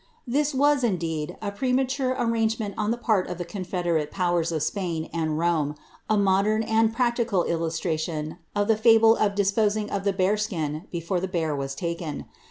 ' This was, indeed, a premature arrangement on the part of the confe* derate powers of Spain and Rome, a modem and practical illustration of the frble of disposing of the bearskin before the bear was taken.